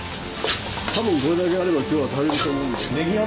多分これだけあれば今日は足りると思うんで。